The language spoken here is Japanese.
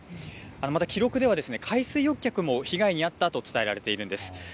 また記録では海水浴客も被害に遭ったと伝えられているんです。